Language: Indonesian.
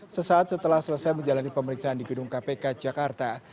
sesaat setelah selesai menjalani pemeriksaan di gedung kpk jakarta